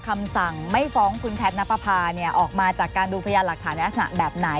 คำสั่งไม่ฟ้องคุณแพทย์นักปราพาอฟามีนออกมาจากการดูพยานลักษณะในอัจหน่ะแบบไหน